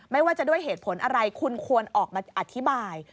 ไม่ว่าจะด้วยเหตุผลอะไรคุณควรออกมาอธิบาย